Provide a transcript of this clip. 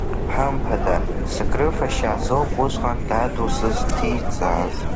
Хымԥада, сыкрыфашьа азоуп усҟан даду сызҭиҵааз.